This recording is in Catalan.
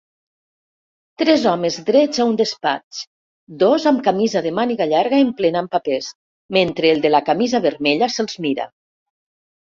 tres homes drets a un despatx, dos amb camisa de màniga llarga emplenant papers mentre el de la camisa vermella se'ls mira